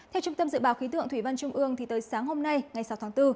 theo trung tâm dự báo khí tượng thủy văn trung ương tới sáng hôm nay ngày sáu tháng bốn